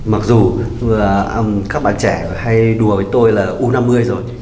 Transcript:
mặc dù các bạn trẻ hay đùa với tôi là u năm mươi rồi